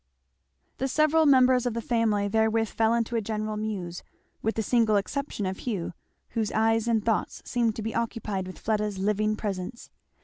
The several members of the family therewith fell into a general muse, with the single exception of Hugh, whose eyes and thoughts seemed to be occupied with Fleda's living presence.